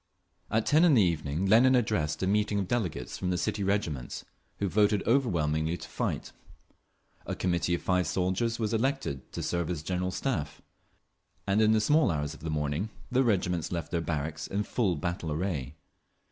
At ten in the evening Lenin addressed a meeting of delegates from the city regiments, who voted overwhelmingly to fight. A Committee of five soldiers was elected to serve as General Staff, and in the small hours of the morning the regiments left their barracks in full battle array….